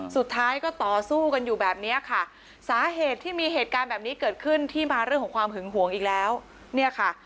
สุดท้ายก็ต่อสู้กันอยู่แบบนี้ค่ะสาเหตุที่มีเหตุการณ์แบบนี้เกิดขึ้นที่มาเรื่องของความหึงหวงอีกแล้วเนี่ยค่ะ